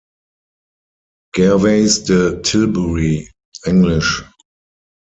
Gervais de Tilbury, engl.